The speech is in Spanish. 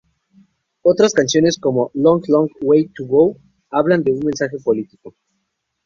Otras canciones, como ""Long Long Way to Go" hablan de un mensaje político.